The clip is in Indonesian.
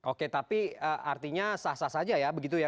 oke tapi artinya sah sah saja ya begitu ya